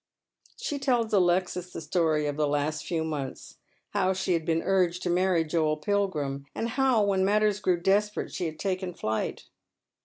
She tells Alexis the story of the last few months how she had been urged to marry Joel Pilgiim, and how when matters grew desperate she had taken flight.